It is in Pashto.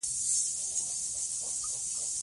په افغانستان کې نمک د خلکو د ژوند په کیفیت تاثیر کوي.